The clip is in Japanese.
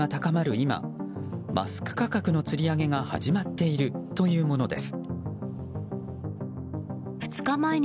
今マスク価格のつり上げが始まっているというものです。